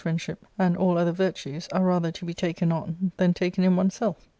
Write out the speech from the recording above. ltshlp, and all ulher virtues are rather to be iaken on than taken in one's self.